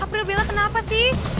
april bella kenapa sih